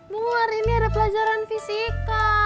bu hari ini ada pelajaran fisika